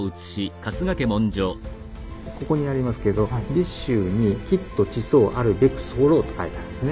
ここにありますけど「尾州にきっと馳走あるべく候」と書いてあるんですね。